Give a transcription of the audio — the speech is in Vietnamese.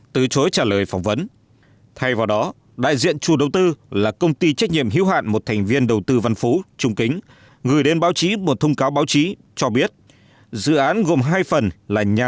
từ chối trả lời phỏng vấn thay vào đó đại diện chủ đầu tư là công ty trách nhiệm hữu hạn một thành viên đầu tư văn phú trung kính